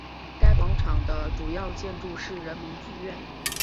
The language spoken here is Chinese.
该广场的主要建筑是人民剧院。